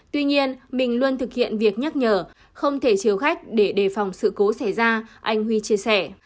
tuy nhiên mình luôn thực hiện việc nhắc nhở không thể chiều khách để đề phòng sự cố xảy ra anh huy chia sẻ